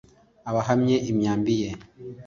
abahamye imyambi ye.